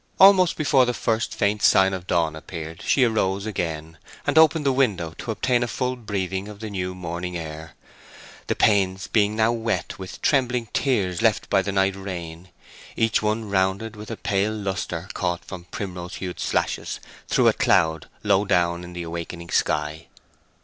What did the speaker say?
Almost before the first faint sign of dawn appeared she arose again, and opened the window to obtain a full breathing of the new morning air, the panes being now wet with trembling tears left by the night rain, each one rounded with a pale lustre caught from primrose hued slashes through a cloud low down in the awakening sky.